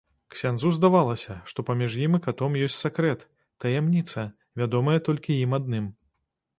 Ксяндзу здавалася, што паміж ім і катом ёсць сакрэт, таямніца, вядомая толькі ім адным.